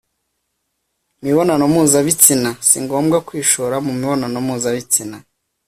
mibonano mpuzabitsina. Singomba kwishora mu mibonano mpuzabitsina